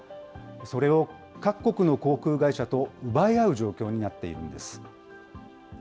それを各国の航空会社と奪い合う状況になっているんです。